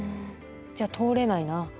じゃあ通れないな。